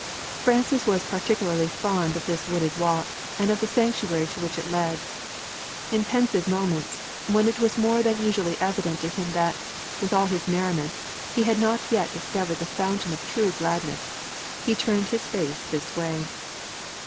Francis was particularly fond of this wooded walk and of the sanctuary to which it led. In pensive moments, when it was more than usually evident to him that, with all his merriment, he had not yet discovered the fountain of true gladness, he turned his face this way.